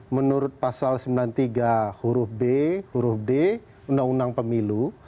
menurut pasal sembilan puluh tiga huruf b huruf d undang undang pemilu